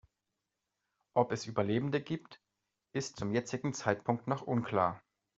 Ob es Überlebende gibt, ist zum jetzigen Zeitpunkt noch unklar.